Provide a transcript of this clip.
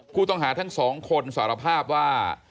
ผู้ต้องหาทั้งสองคนสารภาพว่า